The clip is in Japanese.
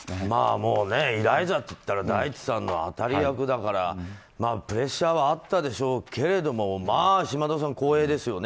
もうイライザと言ったら大地さんの当たり役だからプレッシャーはあったでしょうけれどもまあ、島田さん、光栄ですよね。